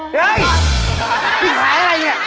จะออกแล้ว